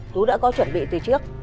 tú đã có chuẩn bị từ trước